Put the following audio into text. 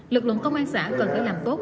lực lượng công an xã cần phải làm tốt